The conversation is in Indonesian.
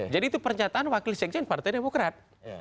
jadi itu pernyataan wakil sekjen partai demokrat